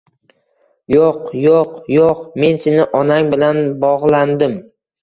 Yoʻq, yoʻq, yoʻq, men seni onang bilan bogʻlandim